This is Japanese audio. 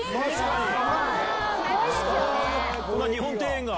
こんな日本庭園が。